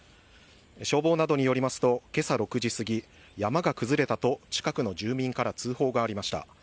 消防などによりますと今朝６時過ぎ山が崩れたと近くの住民から通報がありました。